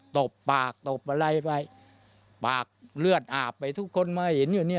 ตบปากตบอะไรไปปากเลือดอาบไปทุกคนมาเห็นอยู่เนี่ย